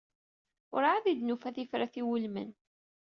Urɛad i d-nufa tifrat iwulmen.